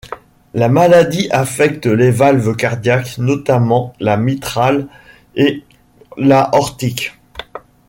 La maladie affecte les valves cardiaques notamment la mitrale et l'aortique.